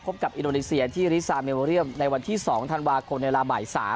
กับอินโดนีเซียที่ริซาเมโมเรียมในวันที่๒ธันวาคมในเวลาบ่าย๓